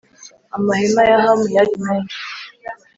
amahema ya Hamu yari menshi